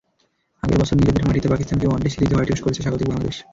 আগের বছর নিজেদের মাটিতে পাকিস্তানকে ওয়ানডে সিরিজ হোয়াইটওয়াশ করেছে স্বাগতিক বাংলাদেশ।